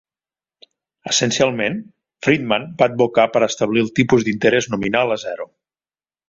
Essencialment, Friedman va advocar per establir el tipus d'interès nominal a zero.